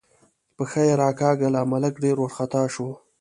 پښه یې راکاږله، ملک ډېر وارخطا شو.